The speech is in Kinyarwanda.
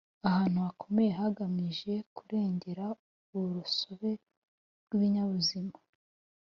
ahantu hakomye hagamije kurengera urusobe rw’ibinyabuzima